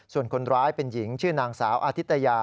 ส่วนคนร้ายเป็นหญิงชื่อนางสาวอาทิตยา